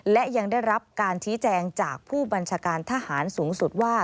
และยังได้รับการชี้แจงจากผู้บัญชาการทหารสูงสุดว่า